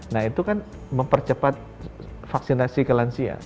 nah itu kan mempercepat vaksinasi ke lansia